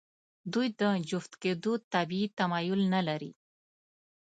دوی د جفت کېدو طبیعي تمایل نهلري.